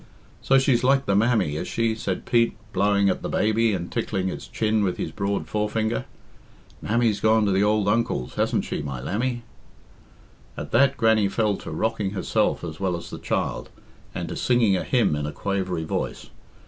"So she's like the mammy, is she?" said Pete, blowing at the baby and tickling its chin with his broad forefinger. "Mammy's gone to the ould uncle's hasn't she, my lammie?" At that Grannie fell to rocking herself as well as the child, and to singing a hymn in a quavery voice.